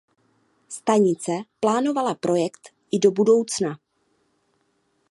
Stanice plánovala projekt i do budoucna.